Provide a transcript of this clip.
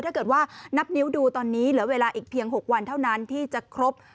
ถ้าเกิดว่านับนิ้วดูตอนนี้เหลือเวลาอีกเพียง๖วันเท่านั้นที่จะครบ